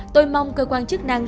tôi mong cơ quan chức năng